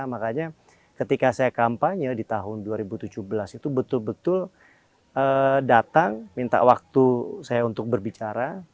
makanya ketika saya kampanye di tahun dua ribu tujuh belas itu betul betul datang minta waktu saya untuk berbicara